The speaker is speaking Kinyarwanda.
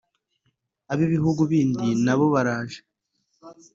abi bihugu bindi nabo baraje